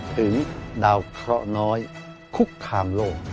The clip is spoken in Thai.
ดาวเคราะห์น้อยคุกคามโลก